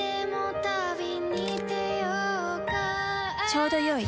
ちょうどよい。